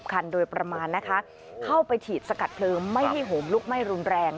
คันโดยประมาณนะคะเข้าไปฉีดสกัดเพลิงไม่ให้โหมลุกไหม้รุนแรง